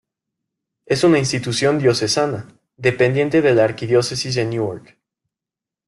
Es una institución diocesana, dependiente de la Archidiócesis de Newark.